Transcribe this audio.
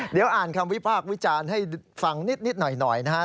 เดี๋ยวอ่านคำวิพากษ์วิจารณ์ให้ฟังนิดหน่อยนะฮะ